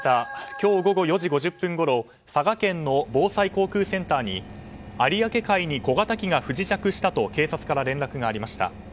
今日午後４時５０分ごろ佐賀県の防災航空センターに有明海に小型機が不時着したと警察から連絡がありました。